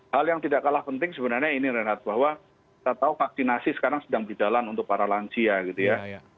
hal yang tidak kalah penting sebenarnya ini renat bahwa kita tahu vaksinasi sekarang sedang berjalan untuk para lansia gitu ya